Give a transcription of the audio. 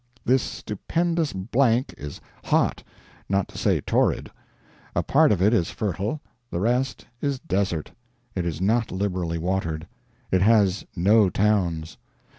This stupendous blank is hot, not to say torrid; a part of it is fertile, the rest is desert; it is not liberally watered; it has no towns.